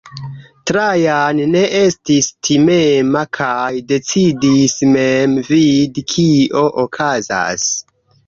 Trajan ne estis timema kaj decidis mem vidi kio okazas.